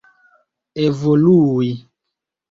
evolui